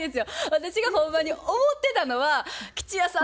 私がほんまに思ってたのは「吉弥さん